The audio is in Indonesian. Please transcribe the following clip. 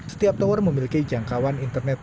setiap tower memiliki jangkauan internet